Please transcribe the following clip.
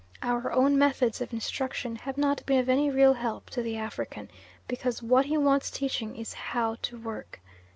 Our own methods of instruction have not been of any real help to the African, because what he wants teaching is how to work.